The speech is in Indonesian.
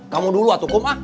kamu dulu ah tukum ah